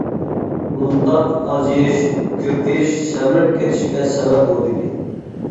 بۇنداق ئازىيىش، كۆپىيىش سەمرىپ كېتىشكە سەۋەب بولىدىكەن.